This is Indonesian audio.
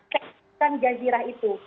seksikan jazirah itu